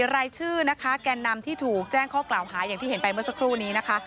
รายชื่อนะคะแกนนำที่ถูกแจ้งข้อกล่าวหาอย่างที่เห็นไปเมื่อสักครู่นี้นะคะ